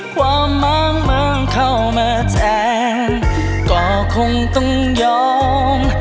ความมั่งเมื่อเข้ามาแทนก็คงต้องยอม